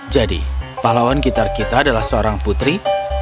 jadi pahlawan gitar kita adalah seorang putri